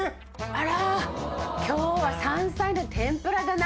あら今日は山菜の天ぷらだな。